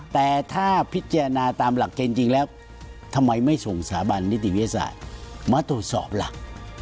แต่ถ้าพิจารณาตามหลักเกณฑ์จริงแล้วทำไมไม่ส่งสถาบันนิติวิทยาศาสตร์มาตรวจสอบล่ะ